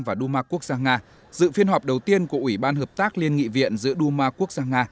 và duma quốc gia nga dự phiên họp đầu tiên của ủy ban hợp tác liên nghị viện giữa duma quốc gia nga